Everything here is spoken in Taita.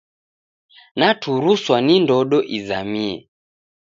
Naturuswa ni ndodo izamie.